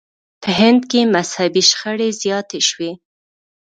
په هند کې مذهبي شخړې زیاتې شوې.